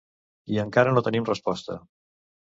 I encara no tenim resposta.